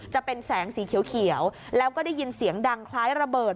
จะเป็นแสงสีเขียวแล้วก็ได้ยินเสียงดังคล้ายระเบิด